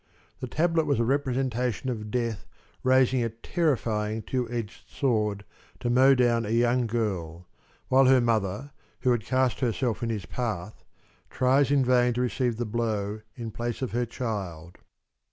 The tablet was a representation of Death raising a terrifying two edged sword to mow down a young girl, while her mother, who had cast herself in his path, tries in vain to receive the blow in place of her child.